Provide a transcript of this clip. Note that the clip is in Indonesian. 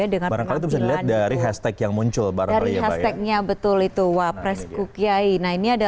jadi hasil berdendam itu ini ya